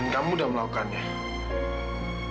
kamu udah berusaha membunuh anak kamu sendiri milla